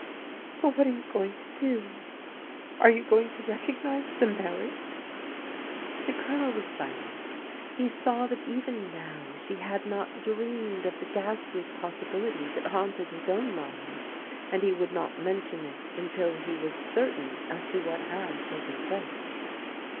But what are you going to do ? Are you going to recognize the marriage? '* The Colonel was silent. He saw that even now she had not dreamed of the ghastly possibility that haunted his own mind, and he would not mention it until he was certain as to what had taken place.